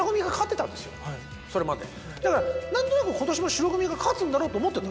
だから何となく今年も白組が勝つんだろうと思ってた。